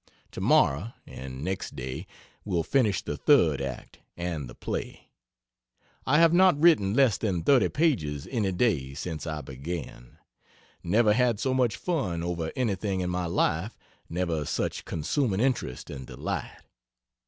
Tomorrow and next day will finish the 3rd act and the play. I have not written less than 30 pages any day since I began. Never had so much fun over anything in my life never such consuming interest and delight.